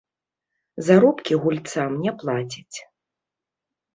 Заробкі гульцам не плацяць.